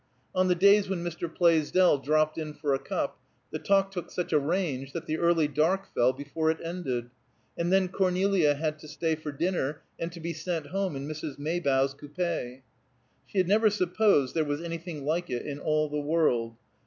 On the days when Mr. Plaisdell dropped in for a cup, the talk took such a range that the early dark fell before it ended, and then Cornelia had to stay for dinner and to be sent home in Mrs. Maybough's coupé. She had never supposed there was anything like it in all the world.